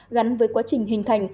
gắn với quá trình hình thành